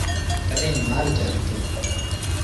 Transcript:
تڏهيݩ مآل چآرتو۔